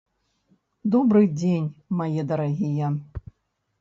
Добры дзень, мае дарагія.